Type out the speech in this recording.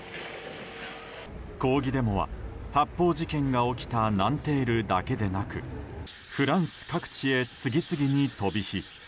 抗議デモは、発砲事件が起きたナンテールだけでなくフランス各地へ次々に飛び火。